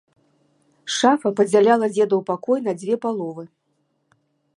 Шафа падзяляла дзедаў пакой на дзве паловы.